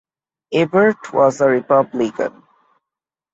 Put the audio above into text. Eberhart was a Republican.